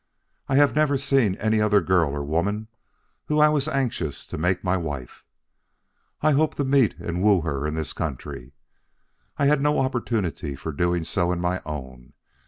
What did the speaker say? I have never seen any other girl or woman whom I was anxious to make my wife. I hoped to meet and woo her in this country. I had no opportunity for doing so in my own.